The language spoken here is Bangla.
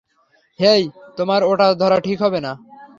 হেই, তোমার ওটা ধরা ঠিক হবে না।